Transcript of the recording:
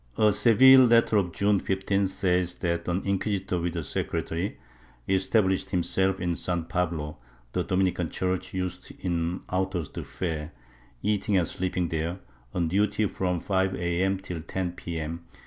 A Seville letter of June 15th says that an inquisitor with a secretary established himself in San Pablo (the Dominican church used in autos de fe), eating and sleeping there, and on duty from 5 a.im. until 10 p.m.